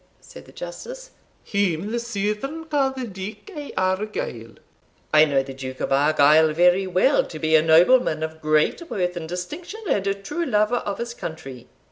said the Justice. "Whom the Southern call the Duke of Argyle." "I know the Duke of Argyle very well to be a nobleman of great worth and distinction, and a true lover of his country.